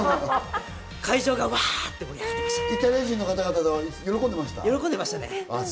会場がワッと盛り上がっていました。